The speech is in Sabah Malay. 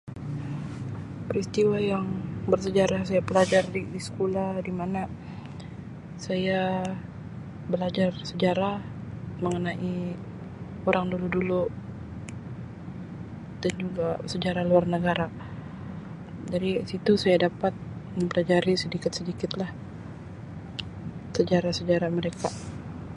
Peristiwa yang bersejarah saya belajar di-di skula di mana saya belajar sejarah mengenai orang dulu-dulu dan juga sejarah luar negara dari situ saya dapat mempelajari sedikit-sedikit lah sejarah sejarah mereka.